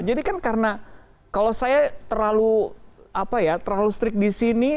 jadi kan karena kalau saya terlalu strik di sini